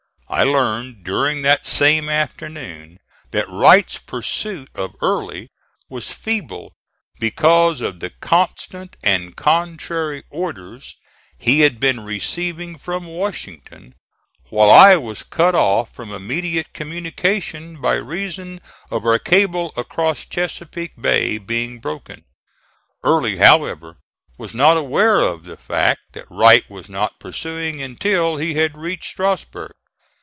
I learned during that same afternoon that Wright's pursuit of Early was feeble because of the constant and contrary orders he had been receiving from Washington, while I was cut off from immediate communication by reason of our cable across Chesapeake Bay being broken. Early, however, was not aware of the fact that Wright was not pursuing until he had reached Strasburg.